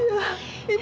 ibu gak mau